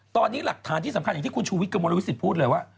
ตอนนี้หลักฐานที่สำคัญอย่างที่คุณชูวิทย์กระมวลวิสิตพูดเลยว่า